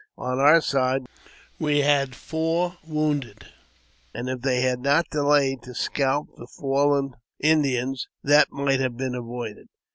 On our side we had four wounded; and if they had not delayed to scalp the fallen Indians, that might have been avoided.